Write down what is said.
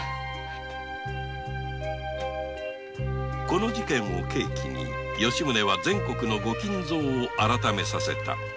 この事件を契機に吉宗は全国の御金蔵を改めさせた。